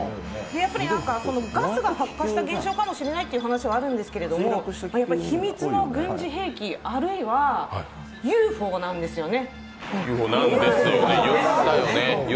ガスが発火した現象かもしれないという情報はあるんですけど、秘密の軍事兵器、あるいはＵＦＯなんですよね。